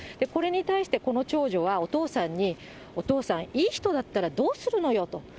これに対してこの長女はお父さんに、お父さん、いい人だったらどうするのよと。